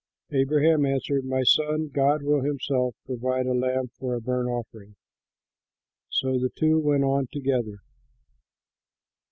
Abraham answered, "My son, God will himself provide a lamb for a burnt offering." So the two went on together.